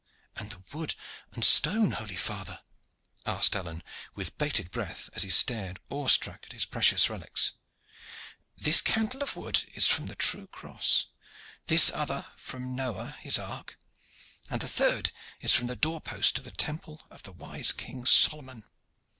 "And the wood and stone, holy father?" asked Alleyne, with bated breath, as he stared awe struck at his precious relics. "This cantle of wood is from the true cross, this other from Noah his ark, and the third is from the door post of the temple of the wise King Solomon.